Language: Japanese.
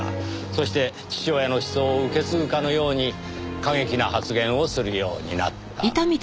そして父親の思想を受け継ぐかのように過激な発言をするようになった。